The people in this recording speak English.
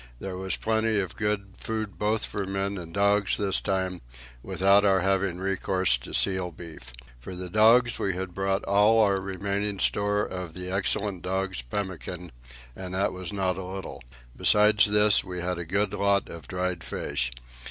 There was plenty of good food both for men and dogs this time, without our having recourse to seal beef. For the dogs we had brought all our remaining store of the excellent dogs' pemmican, and that was not a little. Besides this, we had a good lot of dried fish.